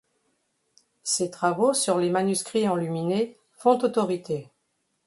Ses travaux sur les manuscrits enluminés font autorité.